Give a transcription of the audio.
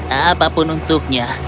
haaah apapun untuknya